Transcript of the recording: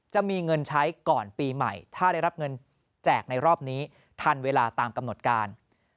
จะมีเงินใช้ก่อนปีใหม่ถ้าได้รับเงินแจกในรอบนี้ทันเวลาตามกำหนดการ